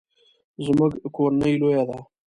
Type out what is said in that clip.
زموږ کورنۍ لویه ده